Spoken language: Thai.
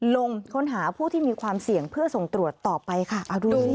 ลงค้นหาผู้ที่มีความเสี่ยงเพื่อส่งตรวจต่อไปค่ะเอาดูสิ